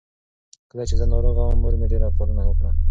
کله چې زه ناروغه وم، مور مې ډېره پالنه وکړه.